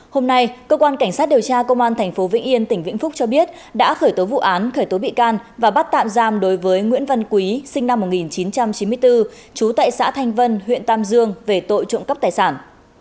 hôm nay cơ quan cảnh sát điều tra công an tp vĩnh yên tỉnh vĩnh phúc cho biết đã khởi tố vụ án khởi tố bị can và bắt tạm giam đối với nguyễn văn quý sinh năm một nghìn chín trăm chín mươi bốn trú tại xã thanh vân huyện tam dương về tội trộm cắp tài sản